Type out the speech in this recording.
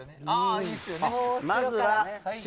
まずは白。